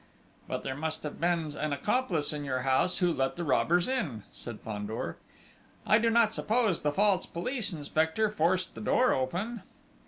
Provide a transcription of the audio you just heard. "But there must have been an accomplice in your house who let the robbers in," said Fandor. "I do not suppose the false police inspector forced the door open!"